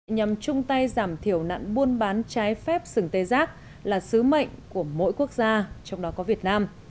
nhằm chung tay giảm thiểu nạn buôn bán trái phép sừng tê giác là sứ mệnh của mỗi quốc gia trong đó có việt nam